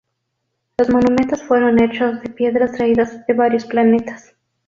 Los monumentos fueron hechos de piedras traídas de varios planetas.